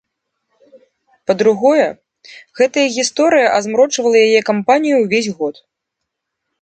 Па-другое, гэтая гісторыя азмрочвала яе кампанію ўвесь год.